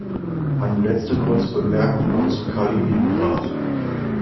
Eine letzte kurze Bemerkung noch zu Kaliningrad.